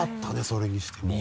それにしても。